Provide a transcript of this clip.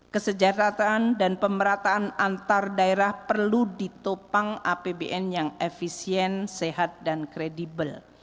kesejahteraan dan pemerataan antar daerah perlu ditopang apbn yang efisien sehat dan kredibel